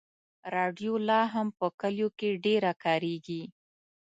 راډیو لا هم په کلیو کې ډېره کارېږي.